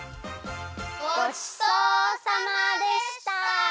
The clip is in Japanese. ごちそうさまでした！